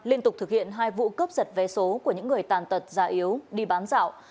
liên tục thực hiện hai vụ cướp giật vé số của những người tàn tật già yếu đi bán dạo